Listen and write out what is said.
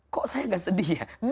kok saya gak sedih ya